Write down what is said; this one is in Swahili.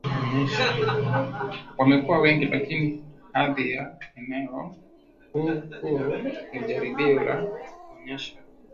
wamekuwa wengi lakini hadhi ya eneo huru ni jaribio la kuonyesha